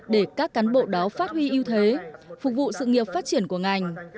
để các cán bộ đó phát huy ưu thế phục vụ sự nghiệp phát triển của ngành